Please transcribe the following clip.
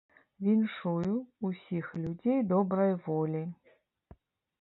Віншую ўсіх людзей добрай волі!